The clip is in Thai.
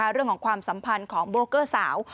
เรื่องของความสัมพันธ์ของโบรกเกอร์สาว